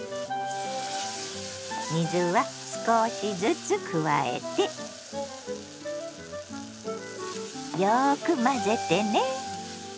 水は少しずつ加えてよく混ぜてね。